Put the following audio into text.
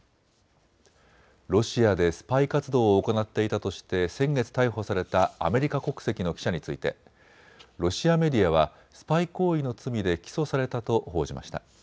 ロシアでスパイ活動を行っていたとして先月逮捕されたアメリカ国籍の記者についてロシアメディアはスパイ行為の罪で起訴されたと報じました。